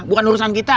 bukan urusan kita